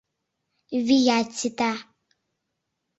Вият сита.